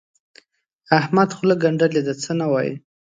احمد خوله ګنډلې ده؛ څه نه وايي.